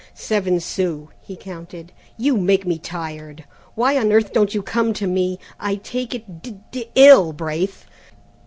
"Seven sons," he counted; "you make me tired! Why on earth don't you come to me? I take it d d ill, Braith!